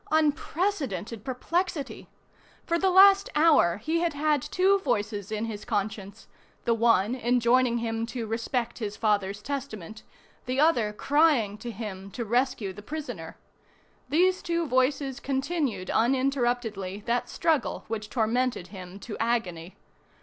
Unprecedented perplexity! For the last hour he had had two voices in his conscience, the one enjoining him to respect his father's testament, the other crying to him to rescue the prisoner. These two voices continued uninterruptedly that struggle which tormented him to agony.